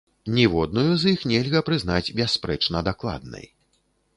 Ніводную з іх нельга прызнаць бясспрэчна дакладнай.